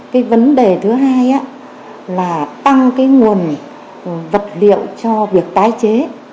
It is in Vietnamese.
cái vấn đề thứ hai là tăng cái nguồn vật liệu cho việc tái chế